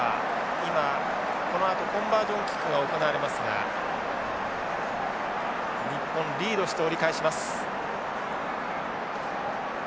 今このあとコンバージョンキックが行われますが日本リードして折り返します。